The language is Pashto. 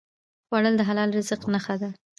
خوړل د حلال رزق نښه ده